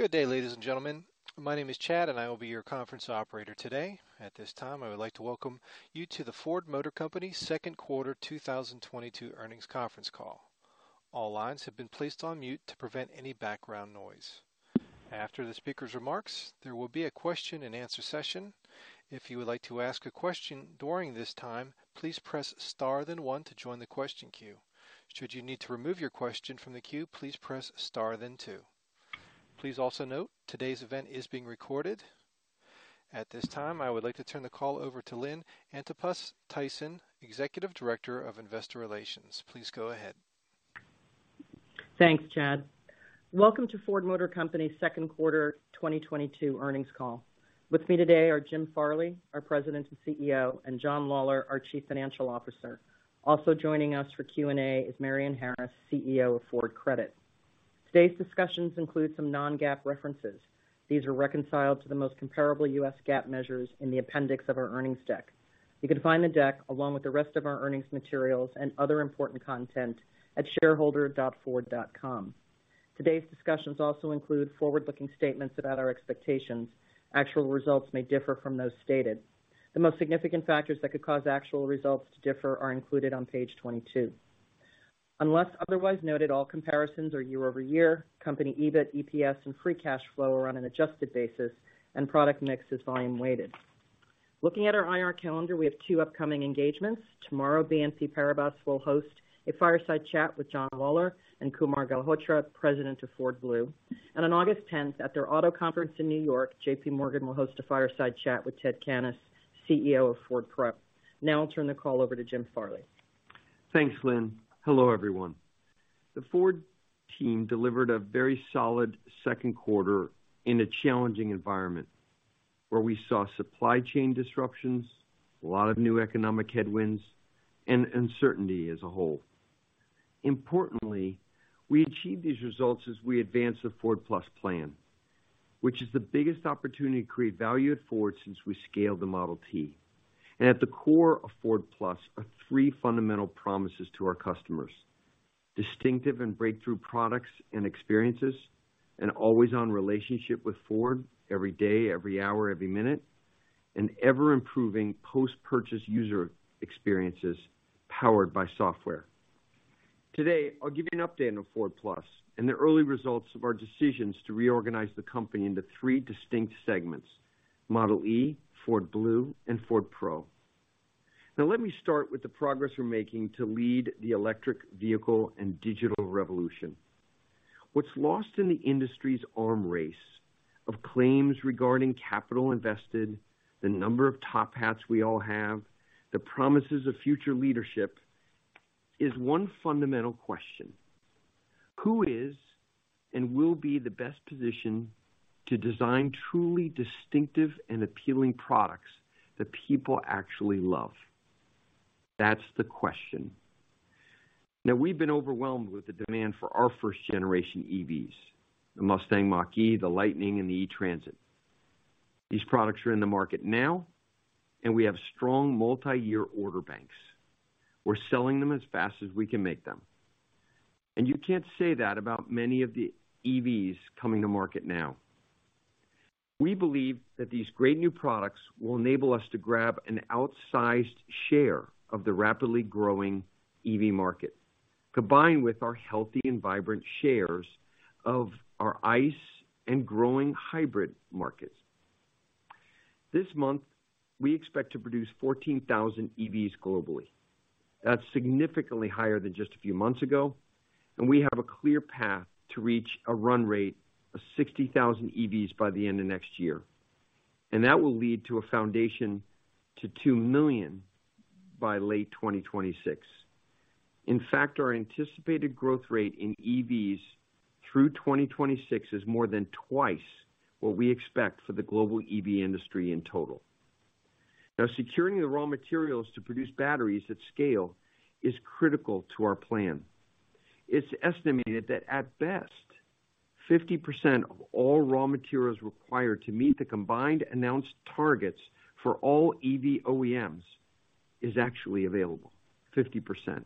Good day, ladies and gentlemen. My name is Chad, and I will be your Conference Operator today. At this time, I would like to welcome you to the Ford Motor Company Second Quarter 2022 Earnings Conference Call. All lines have been placed on mute to prevent any background noise. After the speaker's remarks, there will be a question-and-answer session. If you would like to ask a question during this time, please press star then one to join the question queue. Should you need to remove your question from the queue, please press star then two. Please also note today's event is being recorded. At this time, I would like to turn the call over to Lynn Antipas Tyson, Executive Director of Investor Relations. Please go ahead. Thanks, Chad. Welcome to Ford Motor Company Second Quarter 2022 Earnings Call. With me today are Jim Farley, our President and CEO, and John Lawler, our Chief Financial Officer. Also joining us for Q&A is Marion Harris, CEO of Ford Credit. Today's discussions include some non-GAAP references. These are reconciled to the most comparable U.S. GAAP measures in the Appendix of our earnings deck. You can find the deck along with the rest of our earnings materials and other important content at shareholder.ford.com. Today's discussions also include forward-looking statements about our expectations. Actual results may differ from those stated. The most significant factors that could cause actual results to differ are included on page 22. Unless otherwise noted, all comparisons are year-over-year. Company EBIT, EPS, and free cash flow are on an adjusted basis and product mix is volume weighted. Looking at our IR calendar, we have two upcoming engagements. Tomorrow, BNP Paribas will host a fireside chat with John Lawler and Kumar Galhotra, President of Ford Blue. On August 10th, at their auto conference in New York, JPMorgan will host a fireside chat with Ted Cannis, CEO of Ford Pro. Now I'll turn the call over to Jim Farley. Thanks, Lynn. Hello, everyone. The Ford team delivered a very solid second quarter in a challenging environment where we saw supply chain disruptions, a lot of new economic headwinds, and uncertainty as a whole. Importantly, we achieved these results as we advanced the Ford+ plan, which is the biggest opportunity to create value at Ford since we scaled the Model T. At the core of Ford+ are three fundamental promises to our customers, distinctive and breakthrough products and experiences, an always-on relationship with Ford every day, every hour, every minute, an ever-improving post-purchase user experiences powered by software. Today, I'll give you an update on Ford+ and the early results of our decisions to reorganize the company into three distinct segments, Model e, Ford Blue, and Ford Pro. Now, let me start with the progress we're making to lead the electric vehicle and digital revolution. What's lost in the industry's arms race of claims regarding capital invested, the number of top hats we all have, the promises of future leadership is one fundamental question. Who is and will be the best position to design truly distinctive and appealing products that people actually love? That's the question. Now, we've been overwhelmed with the demand for our first generation EVs, the Mustang Mach-E, the Lightning, and the E-Transit. These products are in the market now, and we have strong multi-year order banks. We're selling them as fast as we can make them. You can't say that about many of the EVs coming to market now. We believe that these great new products will enable us to grab an outsized share of the rapidly growing EV market, combined with our healthy and vibrant shares of our ICE and growing hybrid markets. This month, we expect to produce 14,000 EVs globally. That's significantly higher than just a few months ago, and we have a clear path to reach a run rate of 60,000 EVs by the end of next year. That will lead to a foundation to 2 million by late 2026. In fact, our anticipated growth rate in EVs through 2026 is more than twice what we expect for the global EV industry in total. Now, securing the raw materials to produce batteries at scale is critical to our plan. It's estimated that at best, 50% of all raw materials required to meet the combined announced targets for all EV OEMs is actually available, 50%.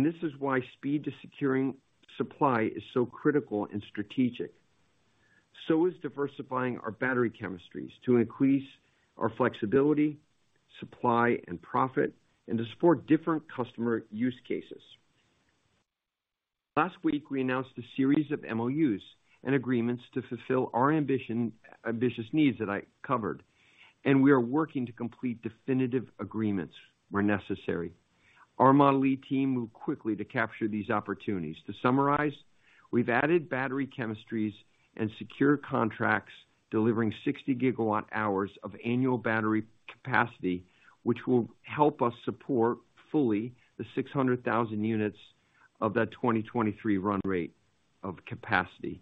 This is why speed to securing supply is so critical and strategic, so is diversifying our battery chemistries to increase our flexibility, supply, and profit, and to support different customer use cases. Last week, we announced a series of MOUs and agreements to fulfill our ambitious needs that I covered, and we are working to complete definitive agreements where necessary. Our Model e team moved quickly to capture these opportunities. To summarize, we've added battery chemistries and secure contracts delivering 60 GWh of annual battery capacity, which will help us support fully the 600,000 units of that 2023 run rate of capacity.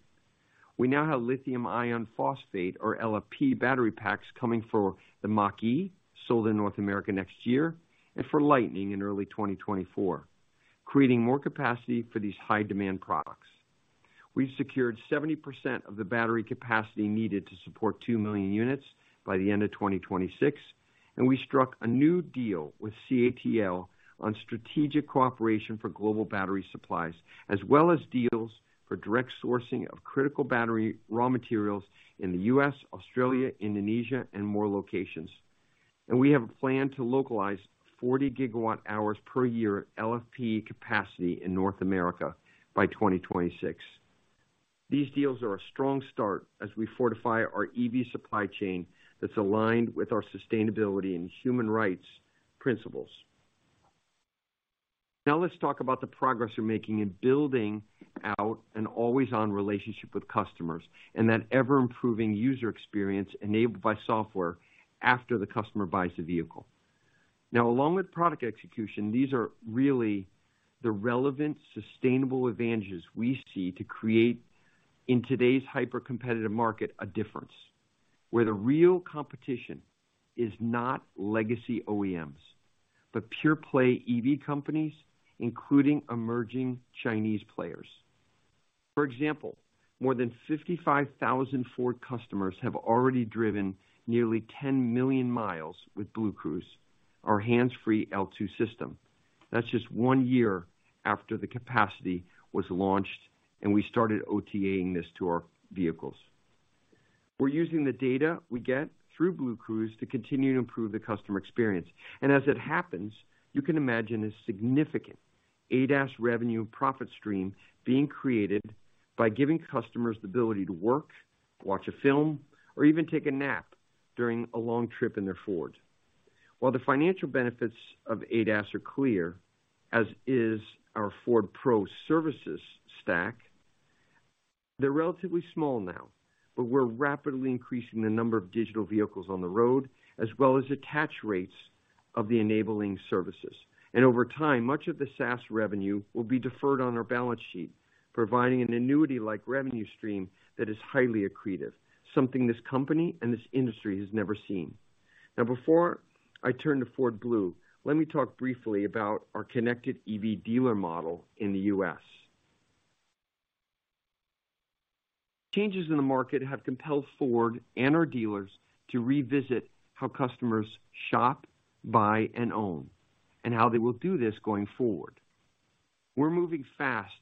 We now have lithium-ion phosphate or LFP battery packs coming for the Mach-E, sold in North America next year, and for Lightning in early 2024, creating more capacity for these high demand products. We've secured 70% of the battery capacity needed to support 2 million units by the end of 2026. We struck a new deal with CATL on strategic cooperation for global battery supplies, as well as deals for direct sourcing of critical battery raw materials in the U.S., Australia, Indonesia, and more locations. We have a plan to localize 40 GWh per year LFP capacity in North America by 2026. These deals are a strong start as we fortify our EV supply chain that's aligned with our sustainability and human rights principles. Now let's talk about the progress we're making in building out an always-on relationship with customers and that ever-improving user experience enabled by software after the customer buys the vehicle. Now, along with product execution, these are really the relevant, sustainable advantages we see to create in today's hyper-competitive market, a difference, where the real competition is not legacy OEMs, but pure-play EV companies, including emerging Chinese players. For example, more than 55,000 Ford customers have already driven nearly 10 million miles with BlueCruise, our hands-free L2 system. That's just one year after the capacity was launched and we started OTA-ing this to our vehicles. We're using the data we get through BlueCruise to continue to improve the Customer Experience. As it happens, you can imagine a significant ADAS revenue and profit stream being created by giving customers the ability to work, watch a film, or even take a nap during a long trip in their Fords. While the financial benefits of ADAS are clear, as is our Ford Pro services stack, they're relatively small now, but we're rapidly increasing the number of digital vehicles on the road, as well as attach rates of the enabling services. Over time, much of the SaaS revenue will be deferred on our balance sheet, providing an annuity-like revenue stream that is highly accretive, something this company and this industry has never seen. Now, before I turn to Ford Blue, let me talk briefly about our connected EV dealer model in the U.S. Changes in the market have compelled Ford and our dealers to revisit how customers Shop, Buy, and Own, and how they will do this going forward. We're moving fast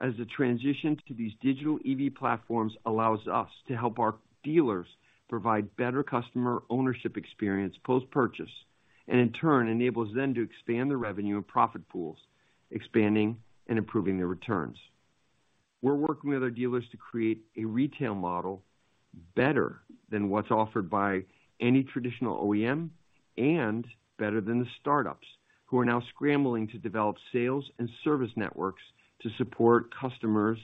as the transition to these digital EV platforms allows us to help our dealers provide better customer ownership experience post-purchase, and in turn, enables them to expand their revenue and profit pools, expanding and improving their returns. We're working with our dealers to create a retail model better than what's offered by any traditional OEM and better than the startups who are now scrambling to develop sales and service networks to support customers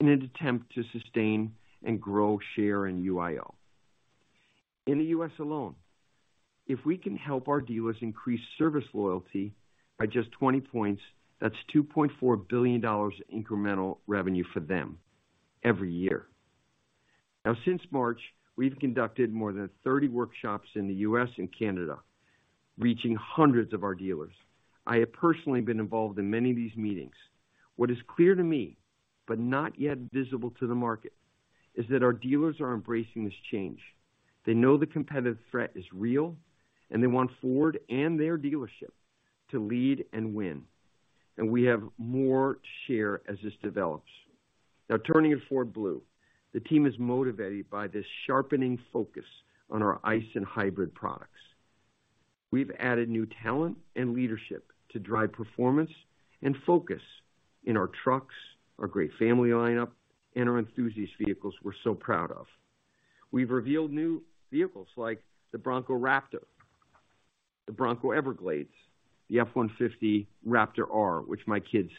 in an attempt to sustain and grow share in UIO. In the U.S. alone, if we can help our dealers increase service loyalty by just 20 points, that's $2.4 billion incremental revenue for them every year. Now, since March, we've conducted more than 30 workshops in the U.S. and Canada, reaching hundreds of our dealers. I have personally been involved in many of these meetings. What is clear to me, but not yet visible to the market, is that our dealers are embracing this change. They know the competitive threat is real, and they want Ford and their dealership to lead and win. We have more to share as this develops. Now turning to Ford Blue, the team is motivated by this sharpening focus on our ICE and hybrid products. We've added new talent and leadership to drive performance and focus in our trucks, our great family lineup, and our enthusiast vehicles we're so proud of. We've revealed new vehicles like the Bronco Raptor, the Bronco Everglades, the F-150 Raptor R, which my kids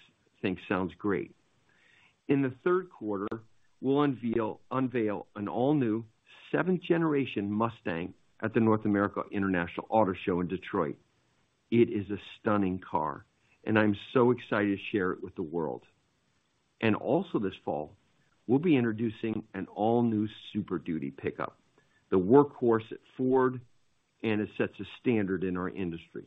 think sounds great. In the third quarter, we'll unveil an all-new seventh-generation Mustang at the North America International Auto Show in Detroit. It is a stunning car, and I'm so excited to share it with the world. Also this fall, we'll be introducing an all-new Super Duty pickup, the workhorse at Ford, and it sets a standard in our industry.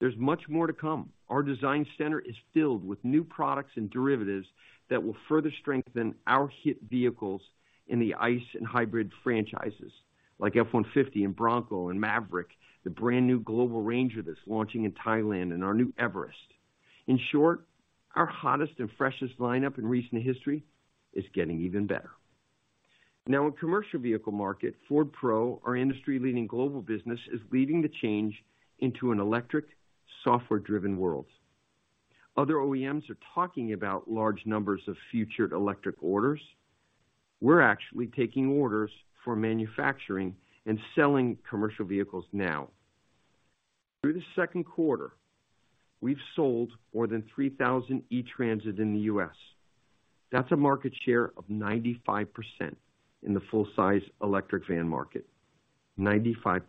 There's much more to come. Our design center is filled with new products and derivatives that will further strengthen our hit vehicles in the ICE and hybrid franchises, like F-150 and Bronco and Maverick, the brand-new global Ranger that's launching in Thailand, and our new Everest. In short, our hottest and freshest lineup in recent history is getting even better. Now in commercial vehicle market, Ford Pro, our industry-leading global business, is leading the change into an electric, software-driven world. Other OEMs are talking about large numbers of future electric orders. We're actually taking orders for manufacturing and selling commercial vehicles now. Through the second quarter, we've sold more than 3,000 E-Transit in the U.S. That's a market share of 95% in the full-size electric van market. 95%.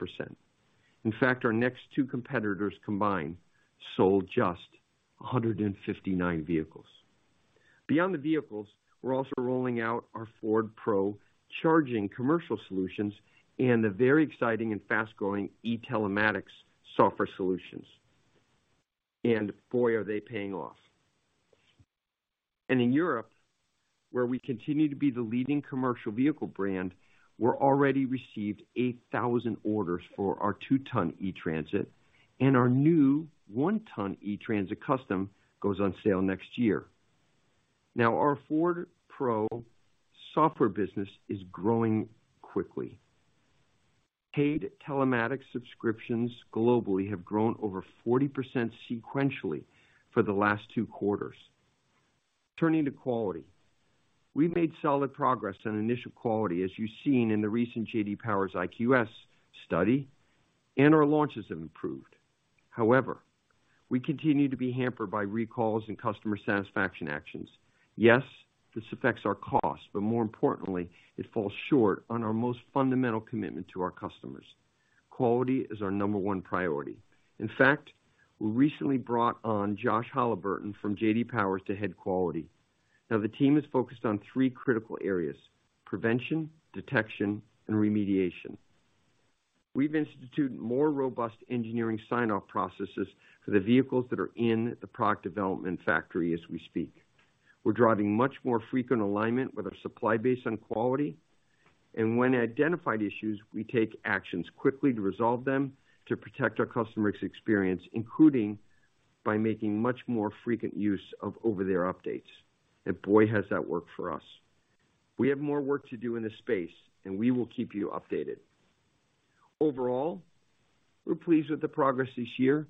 In fact, our next two competitors combined sold just 159 vehicles. Beyond the vehicles, we're also rolling out our Ford Pro charging commercial solutions and the very exciting and fast-growing E-Telematics software solutions. Boy, are they paying off. In Europe, where we continue to be the leading commercial vehicle brand, we're already received 8,000 orders for our 2-ton E-Transit and our new 1-ton E-Transit Custom goes on sale next year. Now, our Ford Pro software business is growing quickly. Paid telematics subscriptions globally have grown over 40% sequentially for the last 2 quarters. Turning to quality. We made solid progress on initial quality, as you've seen in the recent J.D. Power's IQS study, and our launches have improved. However, we continue to be hampered by recalls and customer satisfaction actions. Yes, this affects our cost, but more importantly, it falls short on our most fundamental commitment to our customers. Quality is our number one priority. In fact, we recently brought on Josh Halliburton from JD Power to head quality. Now, the team is focused on three critical areas, Prevention, Detection, and Remediation. We've instituted more robust engineering sign-off processes for the vehicles that are in the product development factory as we speak. We're driving much more frequent alignment with our supply base on quality, and when identified issues, we take actions quickly to resolve them to protect our customers' experience, including by making much more frequent use of over-the-air updates. Boy, has that worked for us. We have more work to do in this space, and we will keep you updated. Overall, we're pleased with the progress this year,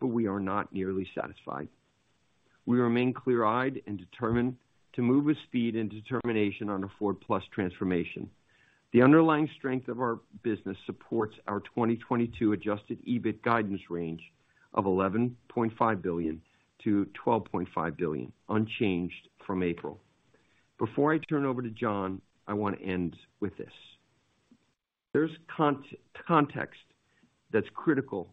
but we are not nearly satisfied. We remain clear-eyed and determined to move with speed and determination on the Ford+ transformation. The underlying strength of our business supports our 2022 adjusted EBIT guidance range of $11.5 billion-12.5 billion, unchanged from April. Before I turn over to John, I want to end with this. There's context that's critical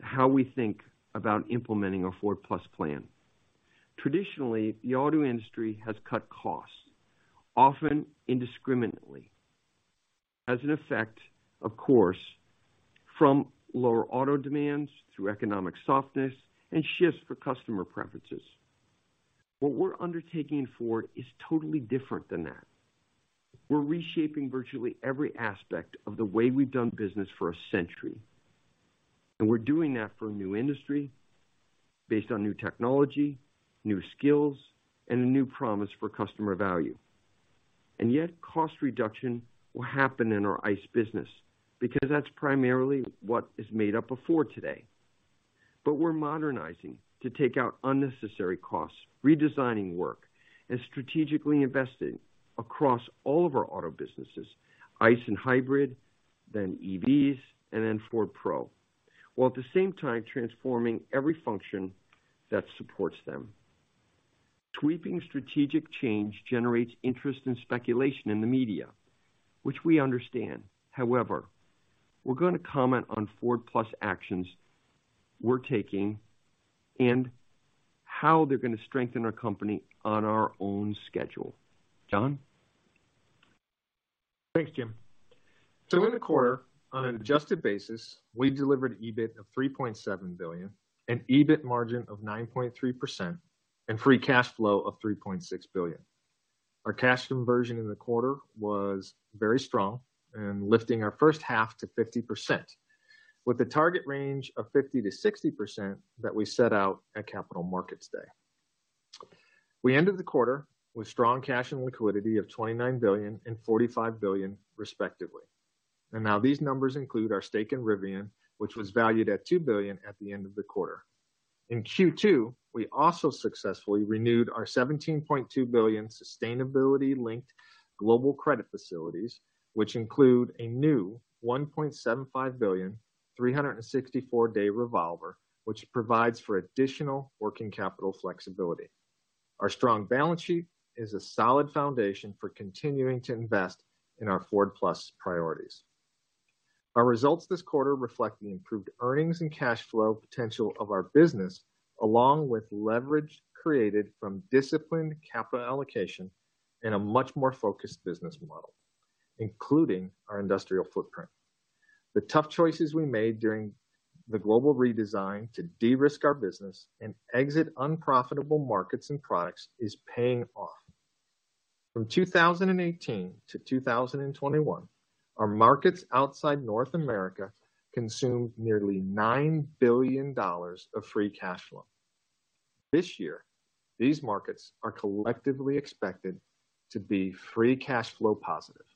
to how we think about implementing a Ford+ plan. Traditionally, the auto industry has cut costs, often indiscriminately, as an effect, of course, from lower auto demands through economic softness and shifts in customer preferences. What we're undertaking at Ford is totally different than that. We're reshaping virtually every aspect of the way we've done business for a century. We're doing that for a new industry based on new technology, new skills, and a new promise for customer value. Yet, cost reduction will happen in our ICE business because that's primarily what is made up of Ford today. We're modernizing to take out unnecessary costs, redesigning work, and strategically investing across all of our auto businesses, ICE and hybrid, then EVs, and then Ford Pro, while at the same time transforming every function that supports them. Sweeping strategic change generates interest and speculation in the media, which we understand. However, we're gonna comment on Ford+ actions we're taking and how they're gonna strengthen our company on our own schedule. John? Thanks, Jim. In the quarter, on an adjusted basis, we delivered EBIT of $3.7 billion, an EBIT margin of 9.3%, and free cash flow of $3.6 billion. Our cash conversion in the quarter was very strong and lifting our first half to 50% with the target range of 50%-60% that we set out at Capital Markets Day. We ended the quarter with strong cash and liquidity of $29 billion and 45 billion, respectively. Now these numbers include our stake in Rivian, which was valued at $2 billion at the end of the quarter. In Q2, we also successfully renewed our $17.2 billion sustainability-linked global credit facilities, which include a new $1.75 billion 364-day revolver, which provides for additional working capital flexibility. Our strong balance sheet is a solid foundation for continuing to invest in our Ford+ priorities. Our results this quarter reflect the improved earnings and cash flow potential of our business, along with leverage created from disciplined capital allocation and a much more focused business model, including our industrial footprint. The tough choices we made during the global redesign to de-risk our business and exit unprofitable markets and products is paying off. From 2018 to 2021, our markets outside North America consumed nearly $9 billion of free cash flow. This year, these markets are collectively expected to be free cash flow positive.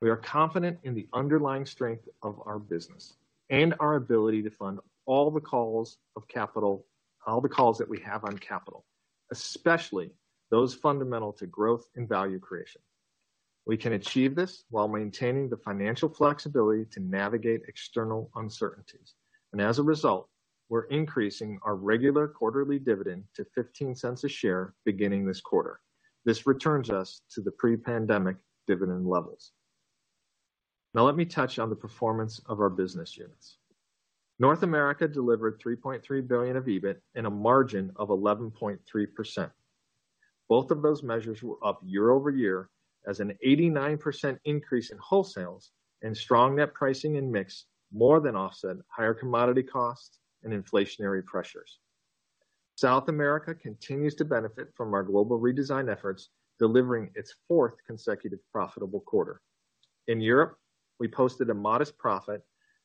We are confident in the underlying strength of our business and our ability to fund all the calls that we have on capital, especially those fundamental to Growth and Value Creation. We can achieve this while maintaining the financial flexibility to navigate external uncertainties. As a result, we're increasing our regular quarterly dividend to $0.15 a share beginning this quarter. This returns us to the pre-pandemic dividend levels. Now let me touch on the performance of our business units. North America delivered $3.3 billion of EBIT and a margin of 11.3%. Both of those measures were up year-over-year as an 89% increase in wholesales and strong net pricing and mix more than offset higher commodity costs and inflationary pressures. South America continues to benefit from our global redesign efforts, delivering its fourth consecutive profitable quarter. In Europe, we posted a modest profit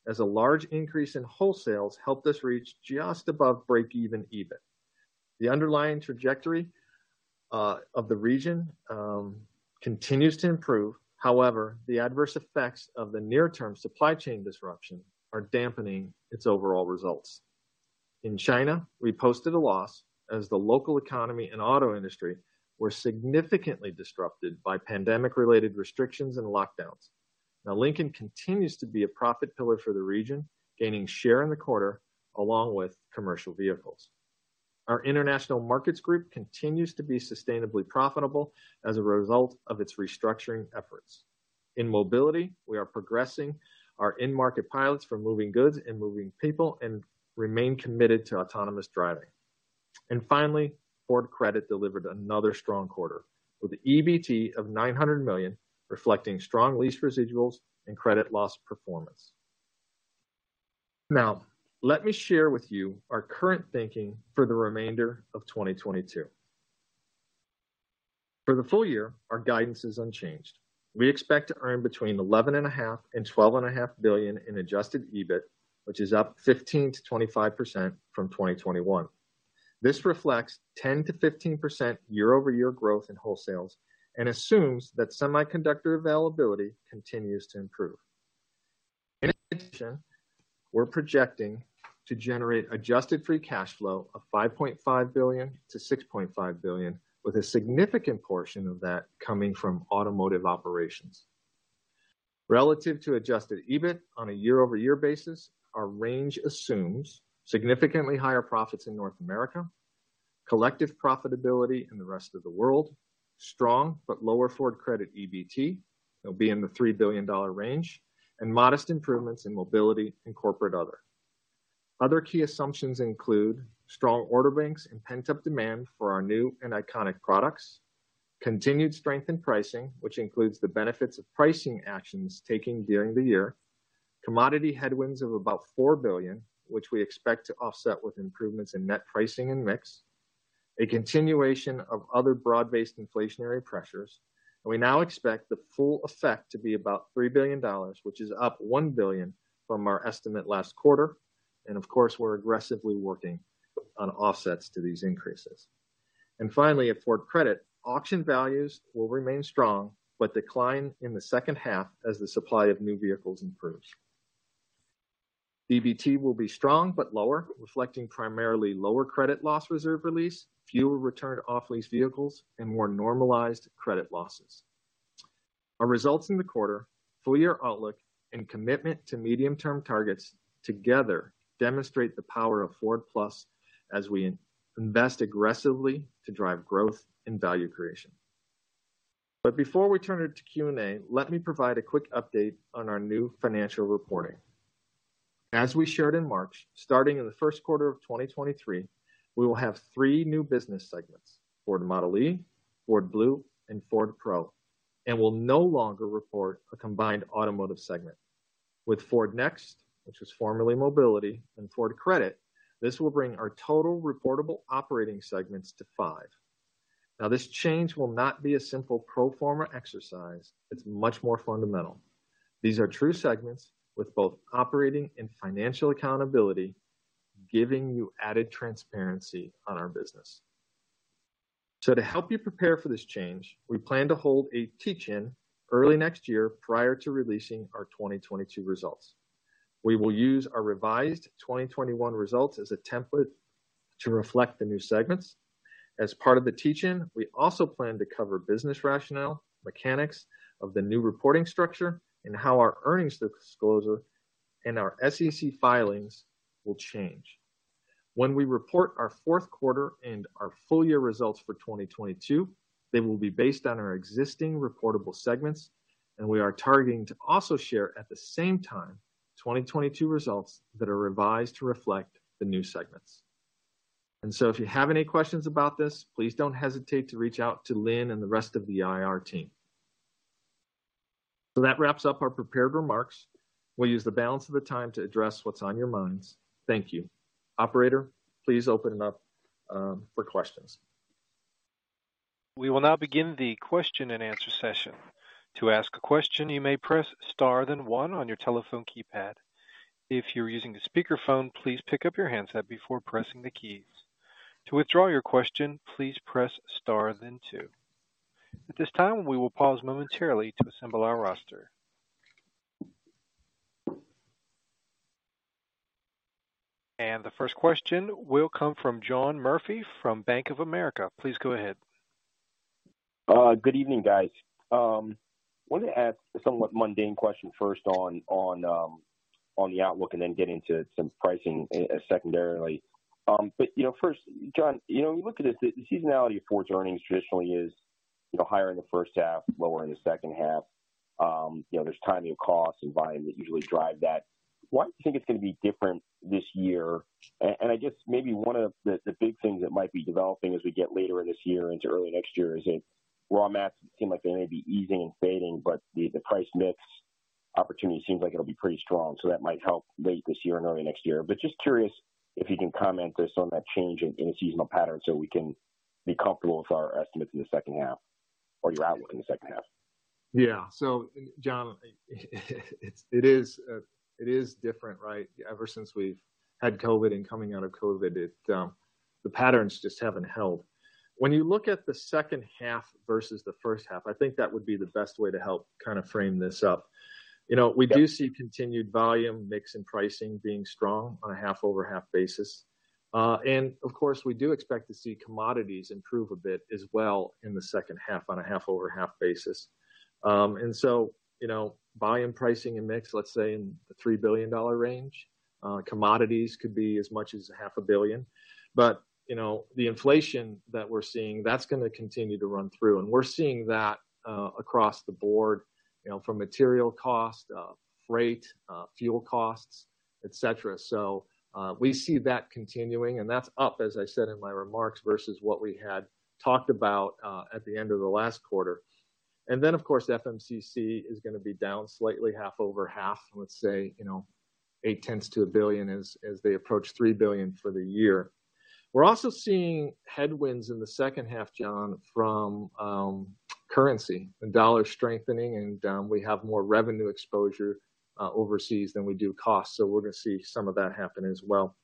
as a large increase in wholesales helped us reach just above break-even EBIT. The underlying trajectory of the region continues to improve. However, the adverse effects of the near-term supply chain disruption are dampening its overall results. In China, we posted a loss as the local economy and auto industry were significantly disrupted by pandemic-related restrictions and lockdowns. Lincoln continues to be a profit pillar for the region, gaining share in the quarter along with commercial vehicles. Our international markets group continues to be sustainably profitable as a result of its restructuring efforts. In mobility, we are progressing our in-market pilots for moving goods and moving people and remain committed to autonomous driving. Finally, Ford Credit delivered another strong quarter with EBT of $900 million, reflecting strong lease residuals and credit loss performance. Now, let me share with you our current thinking for the remainder of 2022. For the full year, our guidance is unchanged. We expect to earn between $11.5 billion and 12.5 billion in adjusted EBIT, which is up 15%-25% from 2021. This reflects 10%-15% year-over-year growth in wholesales and assumes that semiconductor availability continues to improve. In addition, we're projecting to generate adjusted free cash flow of $5.5 billion-6.5 billion, with a significant portion of that coming from automotive operations. Relative to adjusted EBIT on a year-over-year basis, our range assumes significantly higher profits in North America, collective profitability in the rest of the world, strong but lower Ford Credit EBT, it'll be in the $3 billion range, and modest improvements in mobility and corporate other. Other key assumptions include strong order banks and pent-up demand for our new and iconic products, continued strength in pricing, which includes the benefits of pricing actions taken during the year, commodity headwinds of about $4 billion, which we expect to offset with improvements in net pricing and mix, a continuation of other broad-based inflationary pressures, and we now expect the full effect to be about $3 billion, which is up $1 billion from our estimate last quarter. Of course, we're aggressively working on offsets to these increases. Finally, at Ford Credit, auction values will remain strong, but decline in the second half as the supply of new vehicles improves. EBT will be strong but lower, reflecting primarily lower credit loss reserve release, fewer return to off-lease vehicles, and more normalized credit losses. Our results in the quarter, full year outlook, and commitment to medium-term targets together demonstrate the power of Ford+ as we invest aggressively to drive growth and value creation. Before we turn it to Q&A, let me provide a quick update on our new financial reporting. As we shared in March, starting in the first quarter of 2023, we will have three new business segments, Ford Model e, Ford Blue, and Ford Pro, and will no longer report a combined automotive segment. With Ford Next, which was formerly Mobility, and Ford Credit, this will bring our total reportable operating segments to five. Now, this change will not be a simple pro forma exercise. It's much more fundamental. These are true segments with both operating and financial accountability, giving you added transparency on our business. To help you prepare for this change, we plan to hold a teach-in early next year prior to releasing our 2022 results. We will use our revised 2021 results as a template to reflect the new segments. As part of the teach-in, we also plan to cover business rationale, mechanics of the new reporting structure, and how our earnings disclosure and our SEC filings will change. When we report our fourth quarter and our full year results for 2022, they will be based on our existing reportable segments, and we are targeting to also share, at the same time, 2022 results that are revised to reflect the new segments. If you have any questions about this, please don't hesitate to reach out to Lynn and the rest of the IR team. That wraps up our prepared remarks. We'll use the balance of the time to address what's on your minds. Thank you. Operator, please open it up for questions. We will now begin the question and answer session. To ask a question, you may press star then one on your telephone keypad. If you're using a speakerphone, please pick up your handset before pressing the keys. To withdraw your question, please press star then two. At this time, we will pause momentarily to assemble our roster. The first question will come from John Murphy from Bank of America. Please go ahead. Good evening, guys. Wanted to ask a somewhat mundane question first on the outlook and then get into some pricing secondarily. You know, first, John, you know, when you look at it, the seasonality of Ford's earnings traditionally is, you know, higher in the first half, lower in the second half. You know, there's timing costs and volume that usually drive that. Why do you think it's gonna be different this year? And I guess maybe one of the big things that might be developing as we get later in this year into early next year is that raw mats seem like they may be easing and fading, but the price mix opportunity seems like it'll be pretty strong, so that might help late this year and early next year. Just curious if you can comment just on that change in seasonal patterns so we can be comfortable with our estimates in the second half or your outlook in the second half. Yeah. John, it is different, right? Ever since we've had COVID and coming out of COVID, it, the patterns just haven't held. When you look at the second half versus the first half, I think that would be the best way to help kind of frame this up. You know, we do see continued volume mix and pricing being strong on a half-over-half basis. Of course, we do expect to see commodities improve a bit as well in the second half on a half-over-half basis. You know, favorable pricing and mix, let's say in the $3 billion range, commodities could be as much as $500 million. You know, the inflation that we're seeing, that's gonna continue to run through, and we're seeing that across the board, you know, from material cost, freight, fuel costs, et cetera. So, we see that continuing, and that's up, as I said in my remarks, versus what we had talked about at the end of the last quarter. Of course, FMCC is gonna be down slightly half-over-half, let's say, you know, $0.8 billion to a 1 billion as they approach $3 billion for the year. We're also seeing headwinds in the second half, John, from currency. The US dollar strengthening and we have more revenue exposure overseas than we do costs, so we're gonna see some of that happen as well.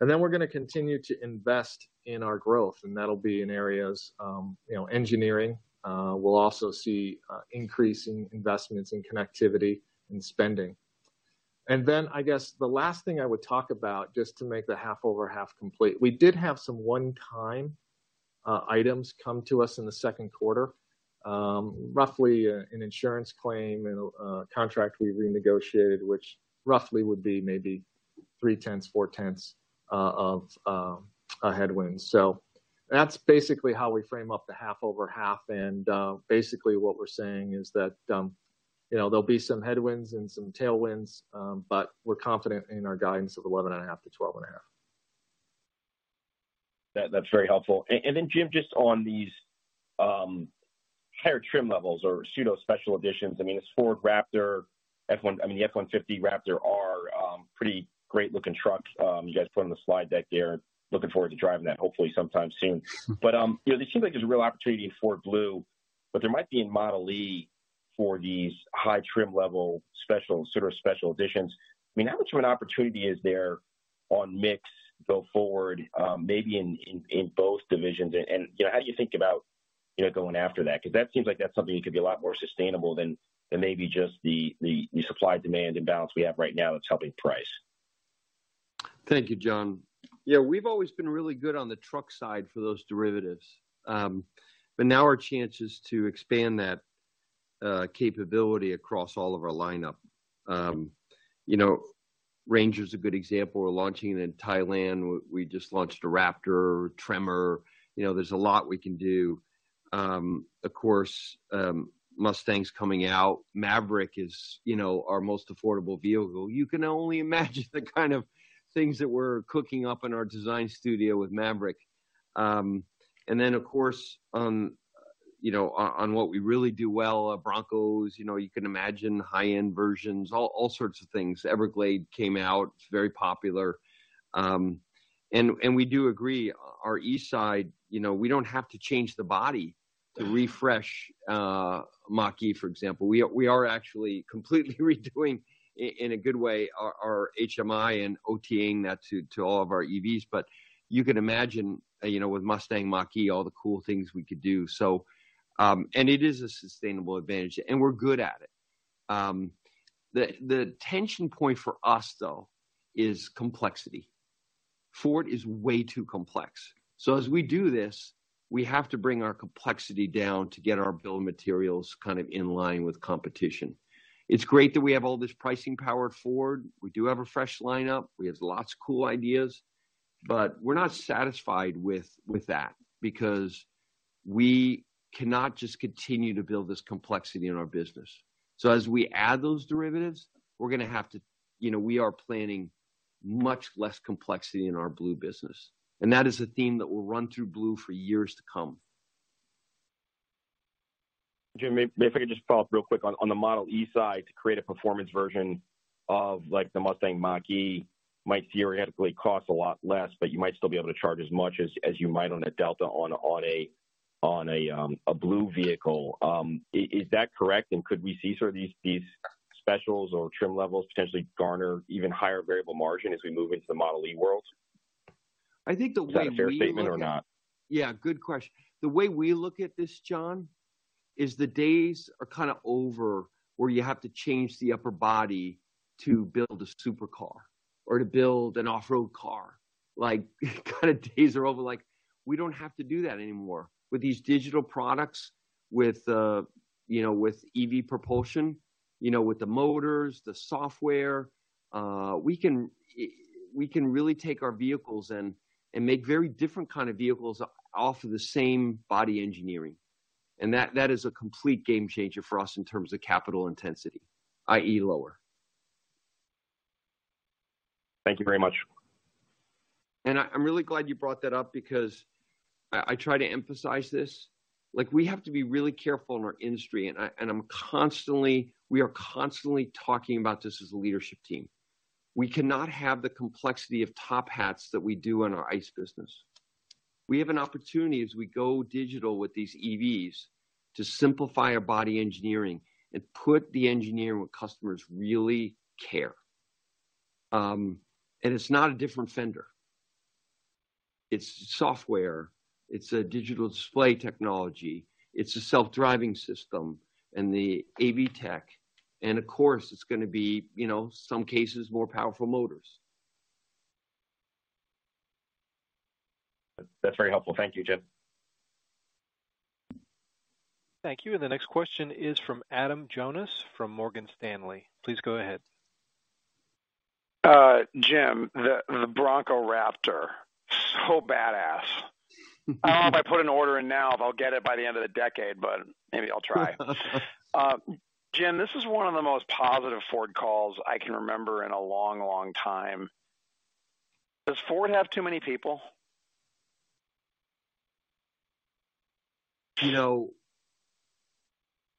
We're gonna continue to invest in our growth, and that'll be in areas, you know, engineering. We'll also see increasing investments in Connectivity and Spending. I guess the last thing I would talk about, just to make the half-over-half complete, we did have some one-time items come to us in the second quarter, roughly an insurance claim and a contract we renegotiated, which roughly would be maybe $0.3 billion-0.4 billion of a headwind. That's basically how we frame up the half over half and basically what we're saying is that, you know, there'll be some headwinds and some tailwinds, but we're confident in our guidance of 11.5%-12.5%. That's very helpful. And then Jim, just on these higher trim levels or pseudo special editions, I mean, the F-150 Raptor R, pretty great-looking truck. You guys put in the slide deck there. Looking forward to driving that hopefully sometime soon. You know, there seems like there's a real opportunity in Ford Blue, but there might be in Model e for these high trim level sort of special editions. I mean, how much of an opportunity is there on mix go forward, maybe in both divisions? You know, how do you think about going after that? 'Cause that seems like that's something that could be a lot more sustainable than maybe just the supply-demand imbalance we have right now that's helping price? Thank you, John. Yeah, we've always been really good on the truck side for those derivatives. But now our chance is to expand that capability across all of our lineup. You know, Ranger is a good example. We're launching it in Thailand. We just launched a Raptor, Tremor. You know, there's a lot we can do. Of course, Mustang's coming out. Maverick is, you know, our most affordable vehicle. You can only imagine the kind of things that we're cooking up in our design studio with Maverick. And then, of course, on what we really do well, our Broncos, you know, you can imagine high-end versions, all sorts of things. Everglades came out, it's very popular. And we do agree, our EV side, you know, we don't have to change the body to refresh Mach-E, for example. We are actually completely redoing in a good way our HMI and OTA-ing that to all of our EVs. But you can imagine, you know, with Mustang Mach-E, all the cool things we could do. And it is a sustainable advantage, and we're good at it. The tension point for us, though, is complexity. Ford is way too complex. As we do this, we have to bring our complexity down to get our bill of materials kind of in line with competition. It's great that we have all this pricing power at Ford. We do have a fresh lineup. We have lots of cool ideas. But we're not satisfied with that because we cannot just continue to build this complexity in our business. As we add those derivatives, we're gonna have to, you know, we are planning much less complexity in our Blue business, and that is a theme that will run through Blue for years to come. Jim, may I just follow up real quick on the Model e side to create a performance version of like the Mustang Mach-E might theoretically cost a lot less, but you might still be able to charge as much as you might on a delta on a Blue vehicle. Is that correct, and could we see sort of these specials or trim levels potentially garner even higher variable margin as we move into the Model e world? I think the way we look at. Is that a fair statement or not? Yeah, good question. The way we look at this, John, is the days are kind of over where you have to change the upper body to build a supercar or to build an off-road car. Like, kind of days are over, like, we don't have to do that anymore. With these digital products, with, you know, with EV propulsion, you know, with the motors, the software. We can really take our vehicles and make very different kind of vehicles off of the same body engineering. That is a complete game changer for us in terms of capital intensity, i.e., lower. Thank you very much. I'm really glad you brought that up because I try to emphasize this. Like, we have to be really careful in our industry, and we are constantly talking about this as a leadership team. We cannot have the complexity of top hats that we do in our ICE business. We have an opportunity as we go digital with these EVs to simplify our body engineering and put the engineering where customers really care. It's not a different fender. It's software. It's a digital display technology. It's a self-driving system and the AV tech. Of course, it's gonna be, you know, some cases, more powerful motors. That's very helpful. Thank you, Jim. Thank you. The next question is from Adam Jonas from Morgan Stanley. Please go ahead. Jim, the Bronco Raptor, so badass. I don't know if I put an order in now, if I'll get it by the end of the decade, but maybe I'll try. Jim, this is one of the most positive Ford calls I can remember in a long, long time. Does Ford have too many people? You know,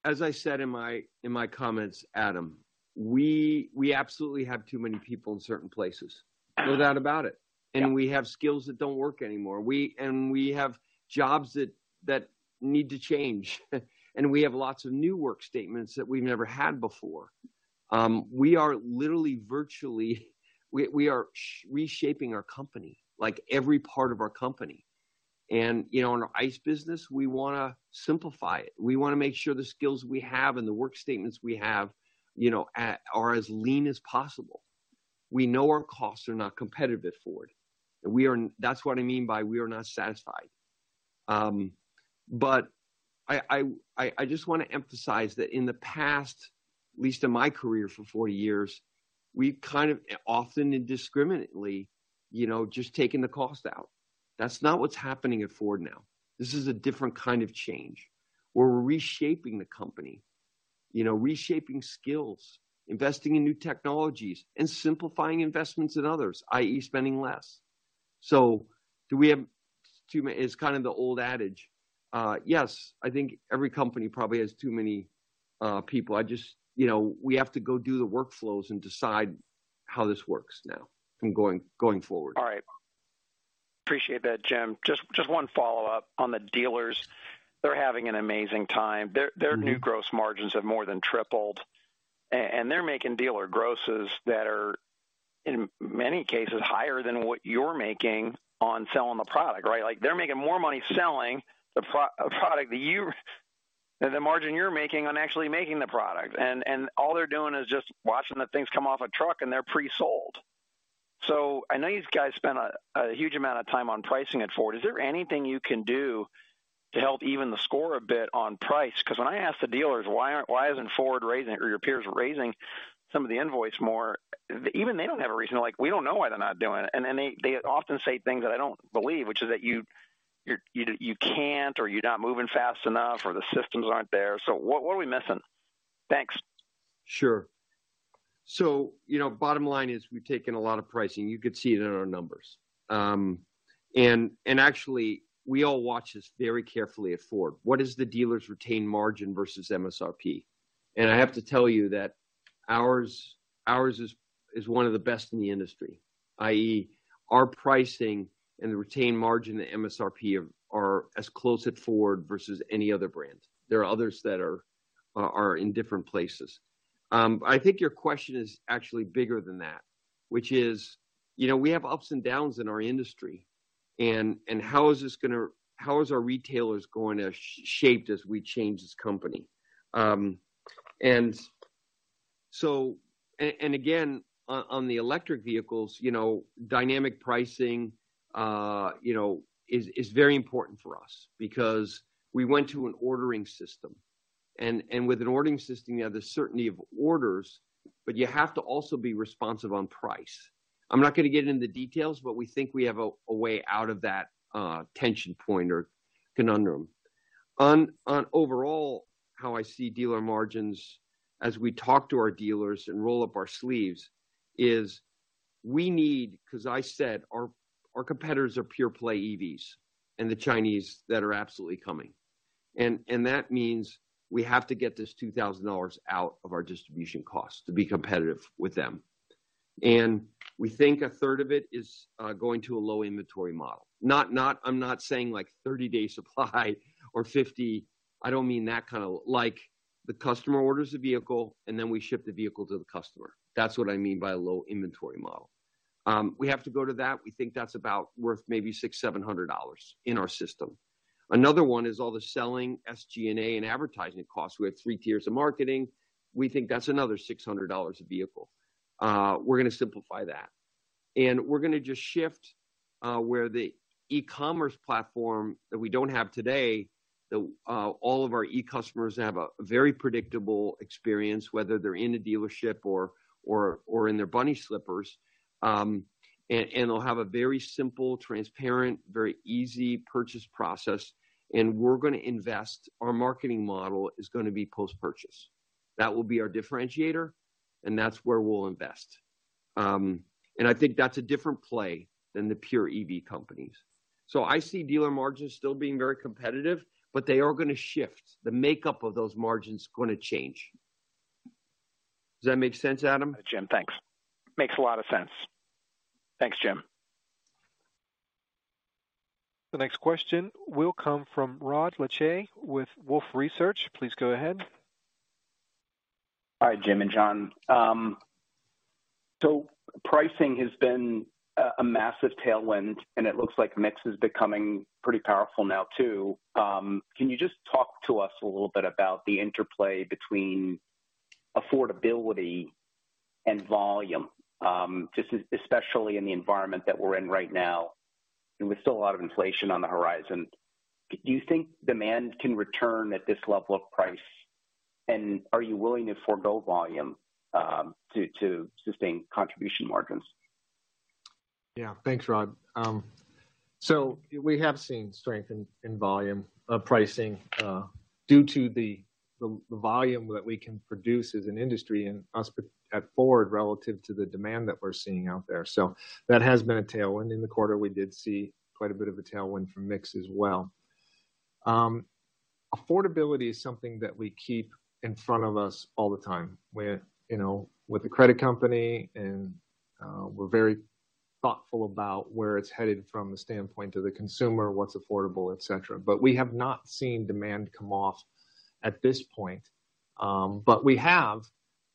as I said in my comments, Adam, we absolutely have too many people in certain places. No doubt about it. Yeah. We have skills that don't work anymore. We have jobs that need to change. We have lots of new work statements that we've never had before. We are reshaping our company, like, every part of our company. You know, in our ICE business, we wanna simplify it. We wanna make sure the skills we have and the work statements we have, you know, are as lean as possible. We know our costs are not competitive at Ford. That's what I mean by we are not satisfied. I just wanna emphasize that in the past, at least in my career for 40 years, we've kind of often indiscriminately, you know, just taken the cost out. That's not what's happening at Ford now. This is a different kind of change, where we're reshaping the company. You know, reshaping skills, investing in new technologies, and simplifying investments in others, i.e., spending less. It's kind of the old adage. Yes, I think every company probably has too many people. You know, we have to go do the workflows and decide how this works now and going forward. All right. Appreciate that, Jim. Just one follow-up on the dealers. They're having an amazing time. Their new gross margins have more than tripled, and they're making dealer grosses that are, in many cases, higher than what you're making on selling the product, right? Like, they're making more money selling the product that you than the margin you're making on actually making the product. All they're doing is just watching the things come off a truck, and they're pre-sold. I know these guys spend a huge amount of time on pricing at Ford. Is there anything you can do to help even the score a bit on price? 'Cause when I ask the dealers, "Why isn't Ford raising or your peers raising some of the invoice more?" Even they don't have a reason. They're like, "We don't know why they're not doing it." They often say things that I don't believe, which is that you can't, or you're not moving fast enough, or the systems aren't there. What are we missing? Thanks. Sure. You know, bottom line is we've taken a lot of pricing. You could see it in our numbers. Actually, we all watch this very carefully at Ford. What is the dealer's retained margin versus MSRP? I have to tell you that ours is one of the best in the industry, i.e., our pricing and the retained margin to MSRP are as close at Ford versus any other brand. There are others that are in different places. I think your question is actually bigger than that, which is, you know, we have ups and downs in our industry, and how is our retailers going to shaped as we change this company? Again, on the electric vehicles, you know, dynamic pricing, you know, is very important for us because we went to an ordering system. With an ordering system, you have the certainty of orders, but you have to also be responsive on price. I'm not gonna get into the details, but we think we have a way out of that tension point or conundrum. On overall, how I see dealer margins as we talk to our dealers and roll up our sleeves is we need, 'cause I said our competitors are pure play EVs and the Chinese that are absolutely coming. That means we have to get this $2,000 out of our distribution costs to be competitive with them. We think a third of it is going to a low inventory model. I'm not saying, like, 30-day supply or 50. I don't mean that kinda. Like, the customer orders the vehicle, and then we ship the vehicle to the customer. That's what I mean by a low inventory model. We have to go to that. We think that's about worth maybe $600-700 in our system. Another one is all the selling SG&A and advertising costs. We have three tiers of marketing. We think that's another $600 a vehicle. We're gonna simplify that. We're gonna just shift where the e-commerce platform that we don't have today, the all of our e-customers have a very predictable experience, whether they're in a dealership or in their bunny slippers. They'll have a very simple, transparent, very easy purchase process, and we're gonna invest. Our marketing model is gonna be post-purchase. That will be our differentiator, and that's where we'll invest. I think that's a different play than the pure EV companies. I see dealer margins still being very competitive, but they are gonna shift. The makeup of those margins gonna change. Does that make sense, Adam? Jim, thanks. Makes a lot of sense. Thanks, Jim. The next question will come from Rod Lache with Wolfe Research. Please go ahead. Hi, Jim and John. Pricing has been a massive tailwind, and it looks like mix is becoming pretty powerful now too. Can you just talk to us a little bit about the interplay between affordability and volume, especially in the environment that we're in right now and with still a lot of inflation on the horizon? Do you think demand can return at this level of price, and are you willing to forgo volume to sustain contribution margins? Yeah. Thanks, Rod. We have seen strength in volume, pricing, due to the volume that we can produce as an industry and us, particularly at Ford relative to the demand that we're seeing out there. That has been a tailwind. In the quarter, we did see quite a bit of a tailwind from mix as well. Affordability is something that we keep in front of us all the time with, you know, with the credit company and we're very thoughtful about where it's headed from the standpoint of the consumer, what's affordable, et cetera. We have not seen demand come off at this point, but we have,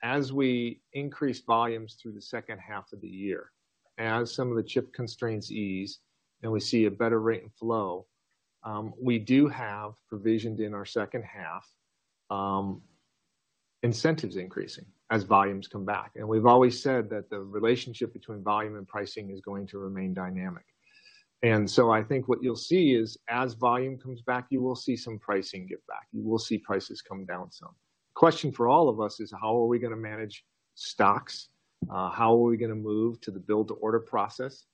as we increase volumes through the second half of the year, as some of the chip constraints ease and we see a better rate and flow, we do have provisioned in our second half, incentives increasing as volumes come back. We've always said that the relationship between volume and pricing is going to remain dynamic. I think what you'll see is as volume comes back, you will see some pricing give back. You will see prices come down some. Question for all of us is: How are we gonna manage stocks? How are we gonna move to the build-to-order process?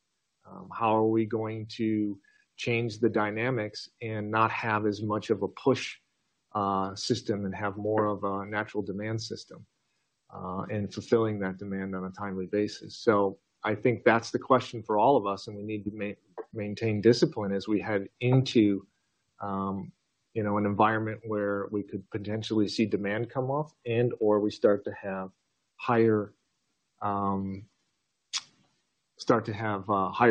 How are we going to change the dynamics and not have as much of a push system and have more of a natural demand system and fulfilling that demand on a timely basis? I think that's the question for all of us, and we need to maintain discipline as we head into, you know, an environment where we could potentially see demand come off and/or we start to have higher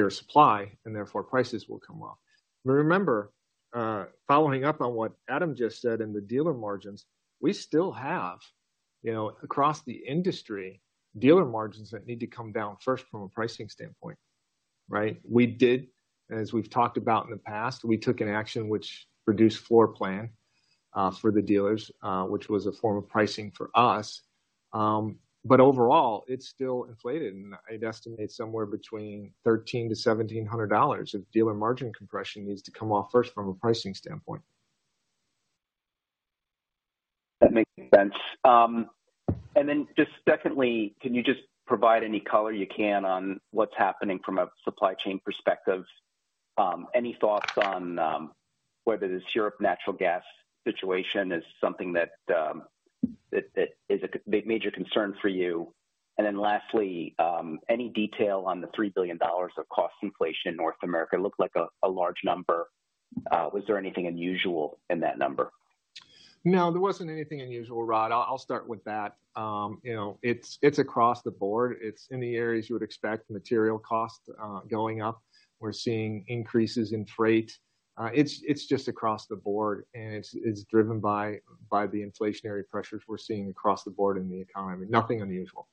supply, and therefore prices will come off. Remember, following up on what Adam just said in the dealer margins, we still have, you know, across the industry, dealer margins that need to come down first from a pricing standpoint, right? We did, as we've talked about in the past, we took an action which reduced floor plan for the dealers, which was a form of pricing for us. Overall, it's still inflated, and I'd estimate somewhere between $1,300-1,700 of dealer margin compression needs to come off first from a pricing standpoint. That makes sense. Just secondly, can you just provide any color you can on what's happening from a supply chain perspective? Any thoughts on whether this European natural gas situation is something that is a major concern for you? Lastly, any detail on the $3 billion of cost inflation in North America? It looked like a large number. Was there anything unusual in that number? No, there wasn't anything unusual, Rod. I'll start with that. You know, it's across the board. It's in the areas you would expect, material costs going up. We're seeing increases in freight. It's just across the board, and it's driven by the inflationary pressures we're seeing across the board in the economy. Nothing unusual.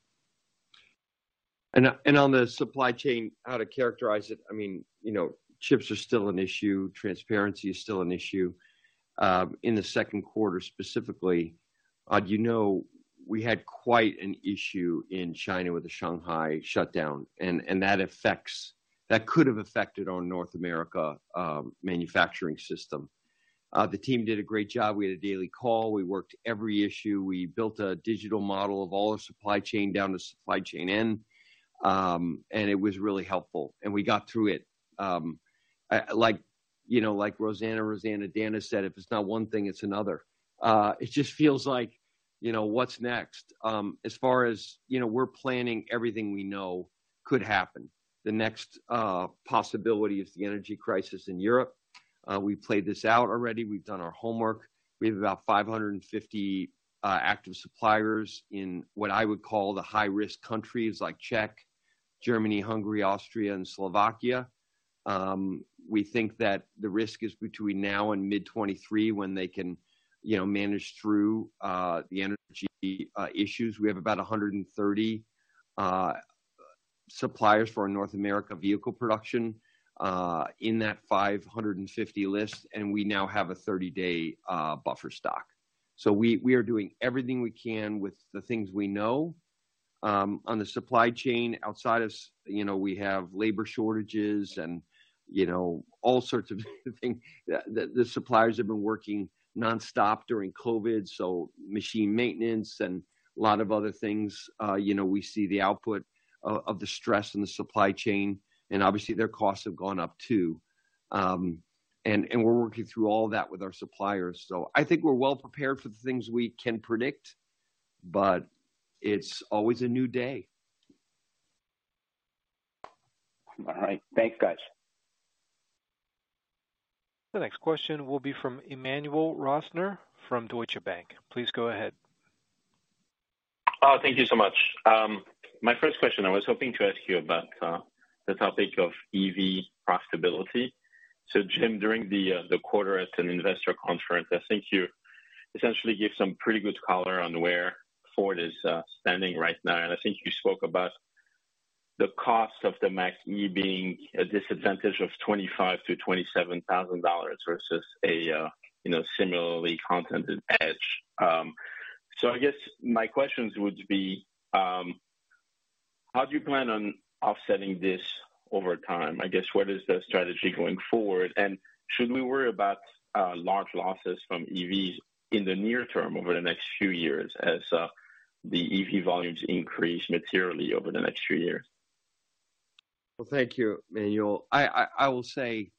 On the supply chain, how to characterize it, I mean, you know, chips are still an issue. Transparency is still an issue. In the second quarter specifically, you know, we had quite an issue in China with the Shanghai shutdown, and that could have affected our North America manufacturing system. The team did a great job. We had a daily call. We worked every issue. We built a digital model of all our supply chain down to supply chain end, and it was really helpful, and we got through it. Like, you know, like Roseanne Roseannadanna said, "If it's not one thing, it's another." It just feels like, you know, what's next? As far as, you know, we're planning everything we know could happen. The next possibility is the energy crisis in Europe. We played this out already. We've done our homework. We have about 550 active suppliers in what I would call the high-risk countries like Czech, Germany, Hungary, Austria, and Slovakia. We think that the risk is between now and mid-2023 when they can, you know, manage through the energy issues. We have about 130 suppliers for our North America vehicle production in that 550 list, and we now have a 30-day buffer stock. We are doing everything we can with the things we know. On the supply chain outside of, you know, we have labor shortages and, you know, all sorts of things. The suppliers have been working nonstop during COVID, so machine maintenance and a lot of other things. You know, we see the output of the stress in the supply chain, and obviously, their costs have gone up too. We're working through all that with our suppliers. I think we're well prepared for the things we can predict, but it's always a new day. All right. Thank you, guys. The next question will be from Emmanuel Rosner from Deutsche Bank. Please go ahead. Thank you so much. My first question, I was hoping to ask you about the topic of EV profitability. Jim, during the quarter at an investor conference, I think you essentially gave some pretty good color on where Ford is standing right now. I think you spoke about the cost of the Mach-E being a disadvantage of $25,000-27,000 versus a you know, similarly equipped Edge. I guess my questions would be, how do you plan on offsetting this over time? I guess, what is the strategy going forward? Should we worry about large losses from EVs in the near term over the next few years as the EV volumes increase materially over the next few years? Well, thank you, Emmanuel. I will say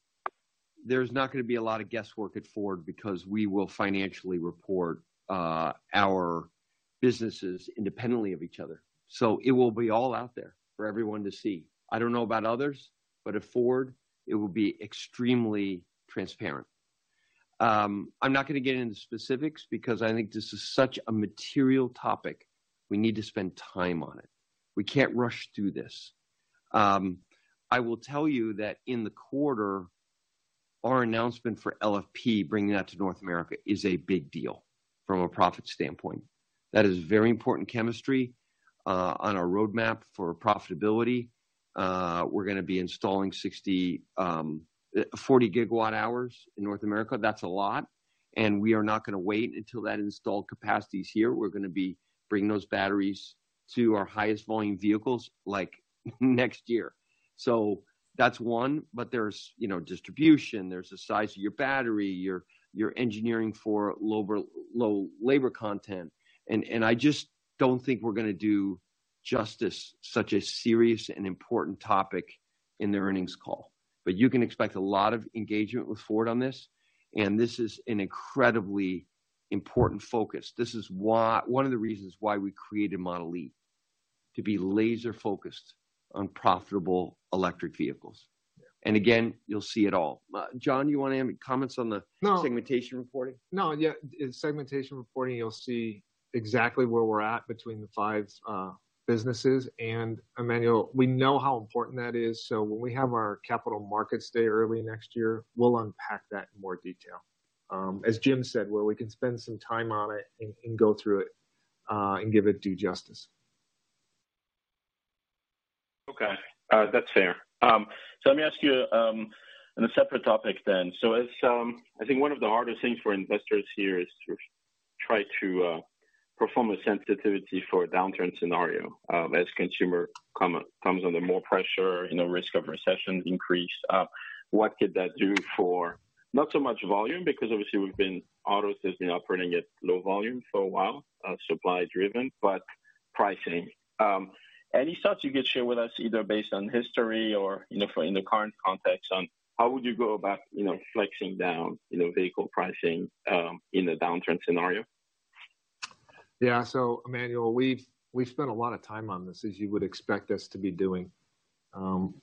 there's not gonna be a lot of guesswork at Ford because we will financially report our businesses independently of each other. It will be all out there for everyone to see. I don't know about others, but at Ford it will be extremely transparent. I'm not gonna get into specifics because I think this is such a material topic, we need to spend time on it. We can't rush through this. I will tell you that in the quarter, our announcement for LFP, bringing that to North America, is a big deal from a profit standpoint. That is very important chemistry on our roadmap for profitability. We're gonna be installing 60 GWh to 40 GWh in North America. That's a lot. We are not gonna wait until that installed capacity is here. We're gonna be bringing those batteries to our highest volume vehicles, like next year. That's one. There's, you know, distribution, there's the size of your battery, your engineering for lower low labor content. I just don't think we're gonna do justice, such a serious and important topic in the earnings call. You can expect a lot of engagement with Ford on this, and this is an incredibly important focus. This is why, one of the reasons why we created Model e, to be laser-focused on profitable electric vehicles. Again, you'll see it all. John, you wanna add any comments on the- No. Segmentation reporting? No. Yeah, in segmentation reporting, you'll see exactly where we're at between the five businesses. Emmanuel, we know how important that is, so when we have our Capital Markets Day early next year, we'll unpack that in more detail. As Jim said, where we can spend some time on it and go through it and give it due justice. Okay. That's fair. Let me ask you on a separate topic then. As I think one of the hardest things for investors here is to try to perform a sensitivity for a downturn scenario as consumers come under more pressure, you know, risk of recession increase. What could that do for, not so much volume, because obviously auto has been operating at low volume for a while, supply-driven, but pricing. Any thoughts you could share with us, either based on history or, you know, for in the current context on how would you go about, you know, flexing down, you know, vehicle pricing in a downturn scenario? Yeah. Emmanuel, we've spent a lot of time on this, as you would expect us to be doing.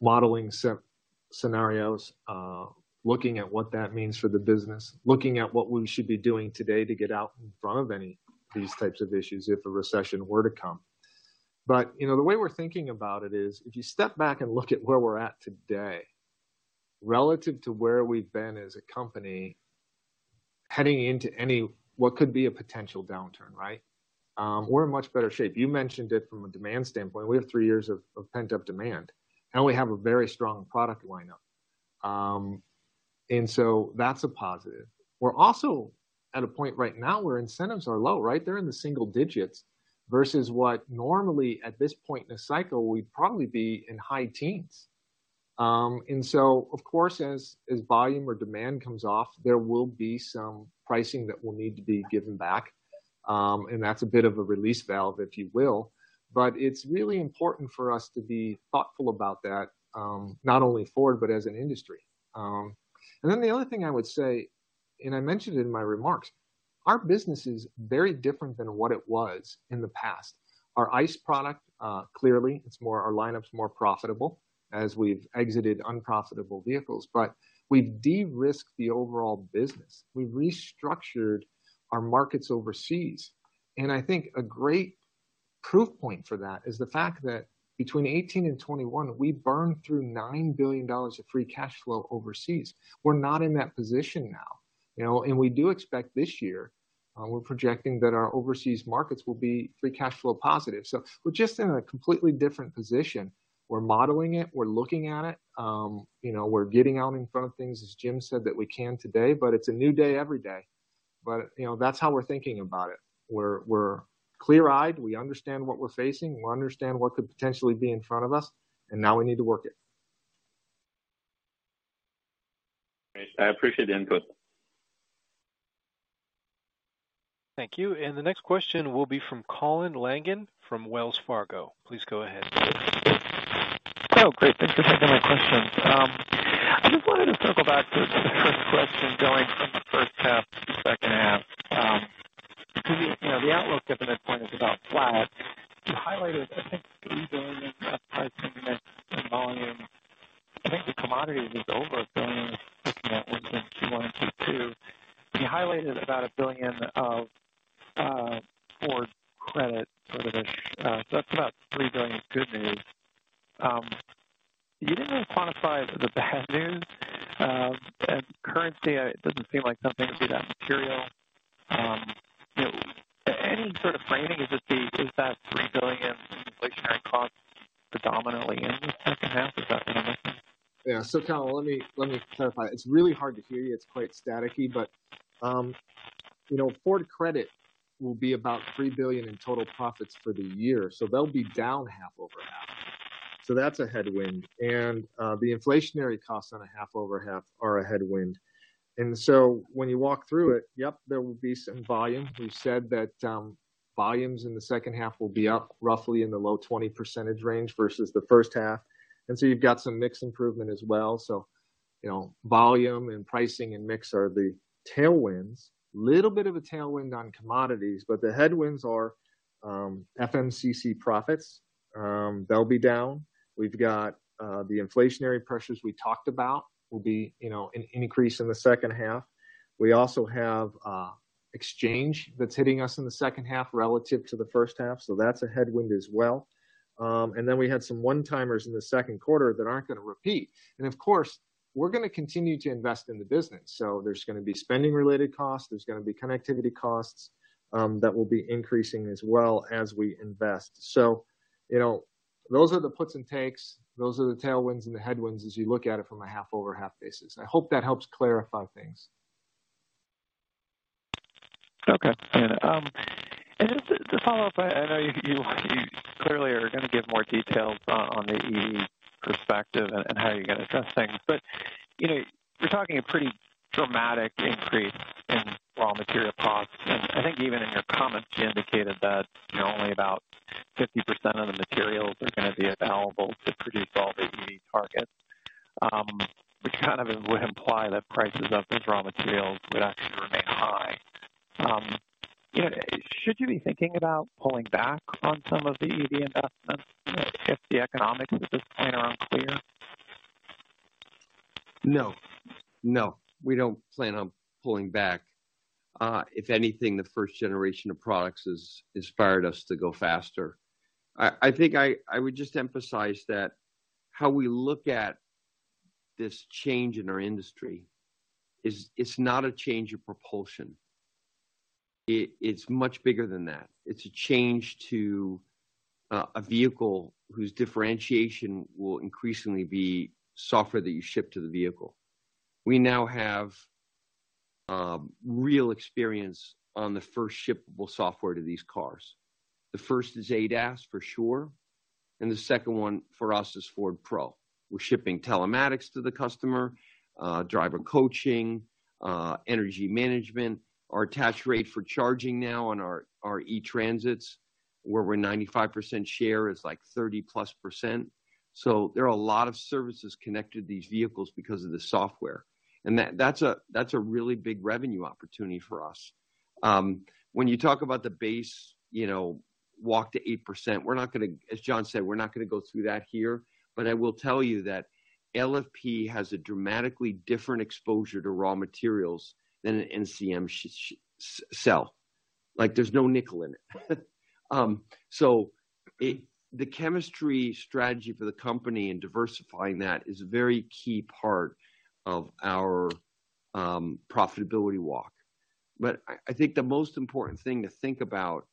Modeling scenarios, looking at what that means for the business, looking at what we should be doing today to get out in front of any of these types of issues if a recession were to come. You know, the way we're thinking about it is, if you step back and look at where we're at today relative to where we've been as a company heading into any what could be a potential downturn, right? We're in much better shape. You mentioned it from a demand standpoint. We have three years of pent-up demand, and we have a very strong product lineup. That's a positive. We're also at a point right now where incentives are low, right? They're in the single digits versus what normally at this point in the cycle, we'd probably be in high teens. Of course, as volume or demand comes off, there will be some pricing that will need to be given back. That's a bit of a release valve, if you will. It's really important for us to be thoughtful about that, not only Ford, but as an industry. The other thing I would say, and I mentioned in my remarks, our business is very different than what it was in the past. Our ICE product clearly it's more profitable as we've exited unprofitable vehicles. We've de-risked the overall business. We restructured our markets overseas. I think a great proof point for that is the fact that between 2018 and 2021, we burned through $9 billion of free cash flow overseas. We're not in that position now, you know? We do expect this year, we're projecting that our overseas markets will be free cash flow positive. We're just in a completely different position. We're modeling it, we're looking at it. You know, we're getting out in front of things, as Jim said, that we can today, but it's a new day every day, you know, that's how we're thinking about it. We're clear-eyed. We understand what we're facing. We understand what could potentially be in front of us, and now we need to work it. Great. I appreciate the input. Thank you. The next question will be from Colin Langan from Wells Fargo. Please go ahead. Oh, great. Thanks for taking my question. I just wanted to circle back to the first question going from the first half to the second half. Because you know, the outlook at that point is about flat. You highlighted, I think, $3 billion of pricing mix and volume. I think the commodity was over $1 billion, looking at between Q1 and Q2. You highlighted about $1 billion of Ford Credit sort of ish. That's about $3 billion of good news. You didn't really quantify the bad news. Currency, it doesn't seem like something to be that material. You know, any sort of framing, is that $3 billion inflationary cost predominantly in the second half? Is that kind of it? Yeah. Colin, let me clarify. It's really hard to hear you. It's quite staticky, but you know, Ford Credit will be about $3 billion in total profits for the year, so they'll be down half over half. That's a headwind. The inflationary costs on a half over half are a headwind. When you walk through it, yep, there will be some volume. We've said that volumes in the second half will be up roughly in the low 20% range versus the first half. You've got some mix improvement as well. You know, volume and pricing and mix are the tailwinds. Little bit of a tailwind on commodities, but the headwinds are FMCC profits. They'll be down. We've got the inflationary pressures we talked about will be, you know, an increase in the second half. We also have exchange that's hitting us in the second half relative to the first half, so that's a headwind as well. Then we had some one-timers in the second quarter that aren't gonna repeat. Of course, we're gonna continue to invest in the business. There's gonna be spending related costs, there's gonna be connectivity costs that will be increasing as well as we invest. You know, those are the puts and takes. Those are the tailwinds and the headwinds as you look at it from a half over half basis. I hope that helps clarify things. Okay. Just to follow up, I know you clearly are gonna give more details on the EV perspective and how you're gonna address things, but you know, you're talking a pretty dramatic increase in raw material costs. I think even in your comments, you indicated that you know, only about 50% of the materials are gonna be available to produce all the EV targets, which kind of would imply that prices of those raw materials would actually remain high. You know, should you be thinking about pulling back on some of the EV investments if the economics at this point are unclear? No. No, we don't plan on pulling back. If anything, the first generation of products has inspired us to go faster. I think I would just emphasize that how we look at this change in our industry is it's not a change of propulsion. It's much bigger than that. It's a change to a vehicle whose differentiation will increasingly be software that you ship to the vehicle. We now have real experience on the first shippable software to these cars. The first is ADAS for sure, and the second one for us is Ford Pro. We're shipping telematics to the customer, driver coaching, energy management. Our attach rate for charging now on our E-Transits, where we're 95% share, is like 30+%. So there are a lot of services connected to these vehicles because of the software. That's a really big revenue opportunity for us. When you talk about the base, you know, walk to 8%, as John said, we're not gonna go through that here. I will tell you that LFP has a dramatically different exposure to raw materials than an NCM cell. Like, there's no nickel in it. The chemistry strategy for the company and diversifying that is a very key part of our profitability walk. I think the most important thing to think about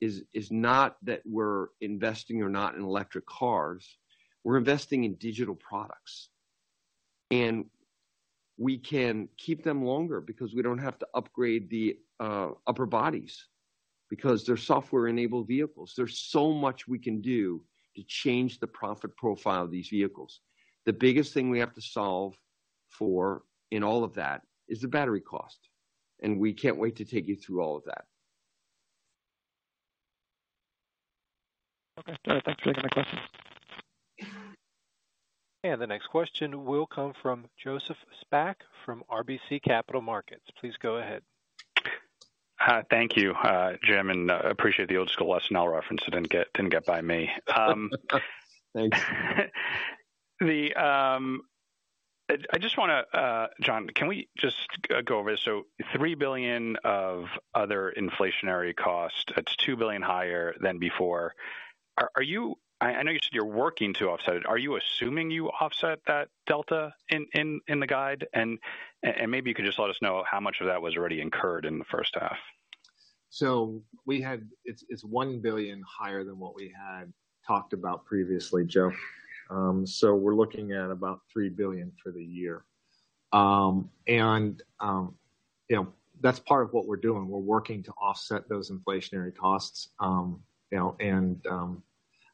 is not that we're investing or not in electric cars, we're investing in digital products. We can keep them longer because we don't have to upgrade the upper bodies because they're software-enabled vehicles. There's so much we can do to change the profit profile of these vehicles. The biggest thing we have to solve for in all of that is the battery cost, and we can't wait to take you through all of that. Okay. No, thanks for taking my question. The next question will come from Joseph Spak from RBC Capital Markets. Please go ahead. Hi. Thank you, Jim, and appreciate the old school lesson reference. It didn't get by me. Thanks. I just wanna, John, can we just go over this? $3 billion of other inflationary cost, that's $2 billion higher than before. Are you? I know you said you're working to offset it. Are you assuming you offset that delta in the guide? And maybe you could just let us know how much of that was already incurred in the first half. It's $1 billion higher than what we had talked about previously, Joe. We're looking at about $3 billion for the year. You know, that's part of what we're doing. We're working to offset those inflationary costs, you know, and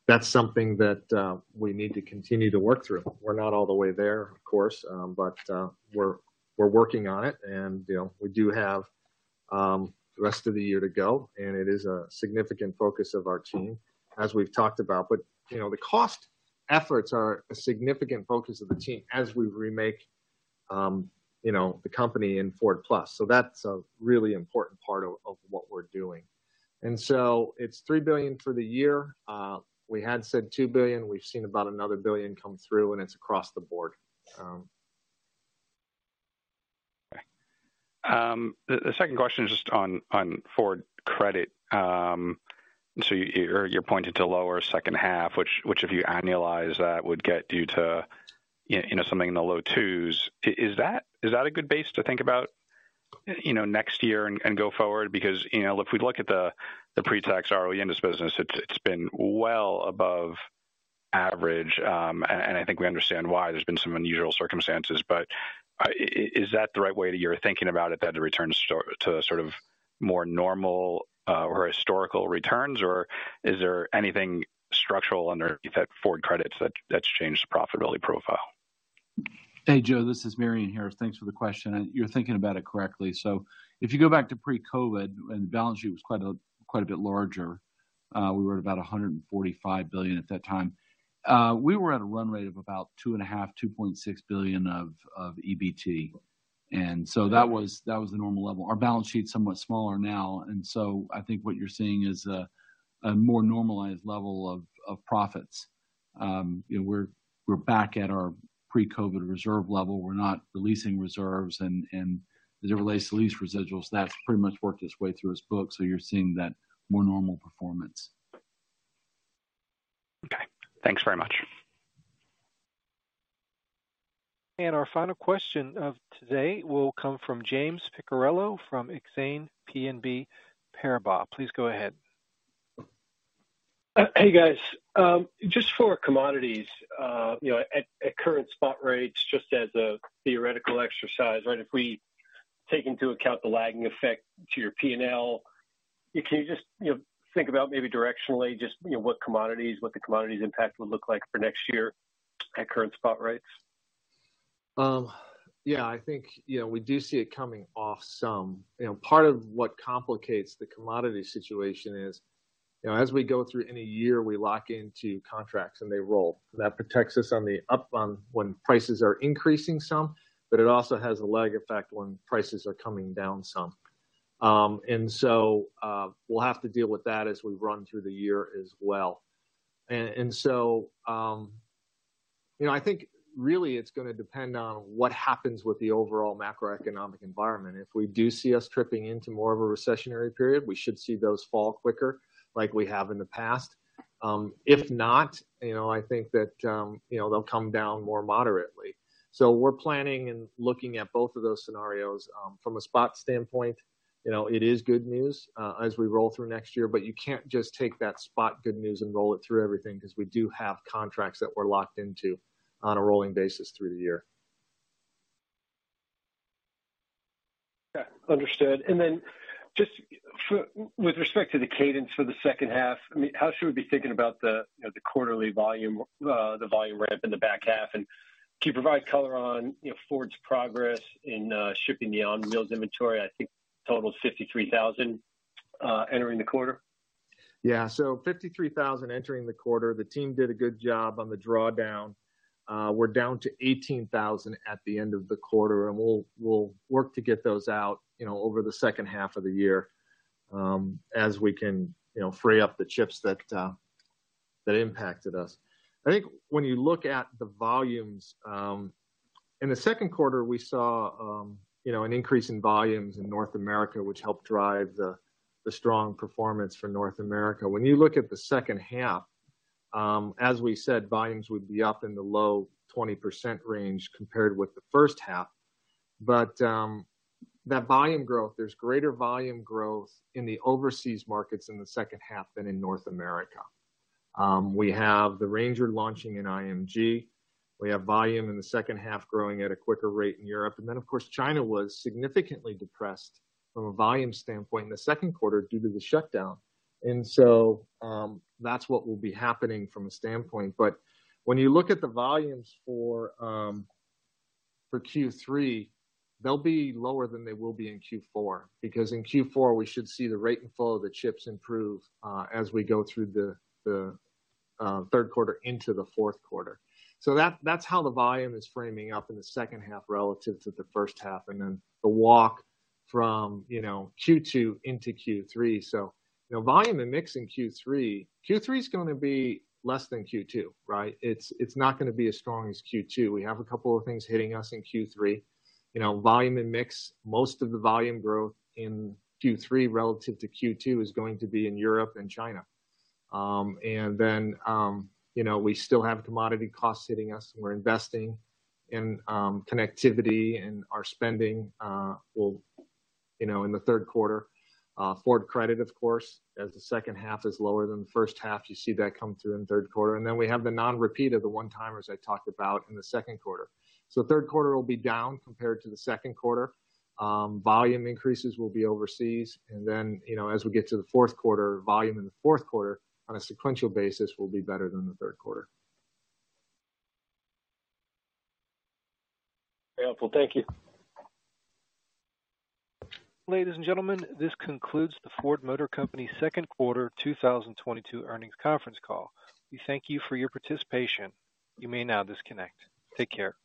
that's something that we need to continue to work through. We're not all the way there, of course, but we're working on it and, you know, we do have the rest of the year to go, and it is a significant focus of our team, as we've talked about. You know, the cost efforts are a significant focus of the team as we remake, you know, the company in Ford+. That's a really important part of what we're doing. It's $3 billion for the year. We had said $2 billion. We've seen about another $1 billion come through, and it's across the board. Okay. The second question is just on Ford Credit. So you're pointing to lower second half, which if you annualize that would get you to, you know, something in the low twos. Is that a good base to think about, you know, next year and go forward? Because, you know, if we look at the pre-tax ROE in this business, it's been well above average, and I think we understand why there's been some unusual circumstances. But is that the right way that you're thinking about it, that the return to a sort of more normal or historical returns or is there anything structural under Ford Credit that's changed the profitability profile? Hey, Joe, this is Marion here. Thanks for the question, and you're thinking about it correctly. If you go back to pre-COVID when the balance sheet was quite a bit larger, we were at about $145 billion at that time. We were at a run rate of about $2.5 billion-2.6 billion of EBT. That was the normal level. Our balance sheet's somewhat smaller now. I think what you're seeing is a more normalized level of profits. You know, we're back at our pre-COVID reserve level. We're not releasing reserves and as it relates to lease residuals, that's pretty much worked its way through its books, so you're seeing that more normal performance. Okay. Thanks very much. Our final question of today will come from James Picariello from Exane BNP Paribas. Please go ahead. Hey, guys. Just for commodities, you know, at current spot rates, just as a theoretical exercise, right? If we take into account the lagging effect to your P&L, can you just, you know, think about maybe directionally just, you know, what the commodities impact would look like for next year at current spot rates? Yeah, I think, you know, we do see it coming off some. You know, part of what complicates the commodity situation is, you know, as we go through any year, we lock into contracts and they roll. That protects us on the up front when prices are increasing some, but it also has a lag effect when prices are coming down some. We'll have to deal with that as we run through the year as well. You know, I think really it's gonna depend on what happens with the overall macroeconomic environment. If we do see us tripping into more of a recessionary period, we should see those fall quicker like we have in the past. If not, you know, I think that, you know, they'll come down more moderately. We're planning and looking at both of those scenarios from a spot standpoint. You know, it is good news as we roll through next year, but you can't just take that spot good news and roll it through everything 'cause we do have contracts that we're locked into on a rolling basis through the year. Yeah, understood. Just with respect to the cadence for the second half, I mean, how should we be thinking about the quarterly volume, the volume ramp in the back half? Can you provide color on Ford's progress in shipping the on-wheels inventory? I think total is $53,000 entering the quarter. Yeah. $53,000 entering the quarter. The team did a good job on the drawdown. We're down to $18,000 at the end of the quarter, and we'll work to get those out, you know, over the second half of the year, as we can, you know, free up the chips that impacted us. I think when you look at the volumes, in the second quarter, we saw an increase in volumes in North America, which helped drive the strong performance for North America. When you look at the second half, as we said, volumes would be up in the low 20% range compared with the first half. That volume growth, there's greater volume growth in the overseas markets in the second half than in North America. We have the Ranger launching in IMG. We have volume in the second half growing at a quicker rate in Europe. Then, of course, China was significantly depressed from a volume standpoint in the second quarter due to the shutdown. That's what will be happening from a standpoint. When you look at the volumes for Q3, they'll be lower than they will be in Q4, because in Q4, we should see the rate and flow of the chips improve as we go through the third quarter into the fourth quarter. That's how the volume is framing up in the second half relative to the first half and then the walk from, you know, Q2 into Q3. You know, volume and mix in Q3 is gonna be less than Q2, right? It's not gonna be as strong as Q2. We have a couple of things hitting us in Q3. You know, volume and mix, most of the volume growth in Q3 relative to Q2 is going to be in Europe and China. We still have commodity costs hitting us, and we're investing in connectivity and our spending will, you know, in the third quarter. Ford Credit, of course, as the second half is lower than the first half, you see that come through in the third quarter. We have the non-repeat of the one-timers I talked about in the second quarter. Third quarter will be down compared to the second quarter. Volume increases will be overseas. You know, as we get to the fourth quarter, volume in the fourth quarter on a sequential basis will be better than the third quarter. Very helpful. Thank you. Ladies and gentlemen, this concludes the Ford Motor Company's second quarter 2022 earnings conference call. We thank you for your participation. You may now disconnect. Take care.